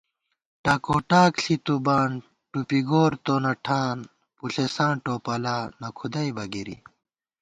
ٹاکوٹاک ݪِی تُوبان، ٹُوپی گور تونہ ٹھان ✿ پُݪېساں ٹوپَلا ، نہ کُھدَئیبہ گِری